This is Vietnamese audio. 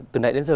từ nãy đến giờ